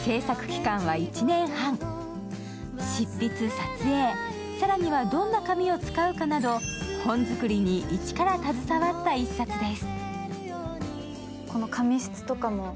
執筆、撮影、更にはどんな紙を使うかなど、本作りに１から携わった一冊です。